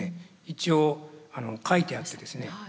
一応書いてあってですね